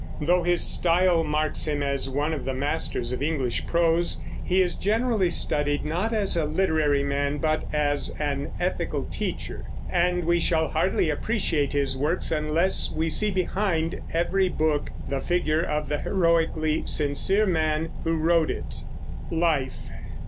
Though his style marks him as one of the masters of English prose, he is generally studied not as a literary man but as an ethical teacher, and we shall hardly appreciate his works unless we see behind every book the figure of the heroically sincere man who wrote it. LIFE.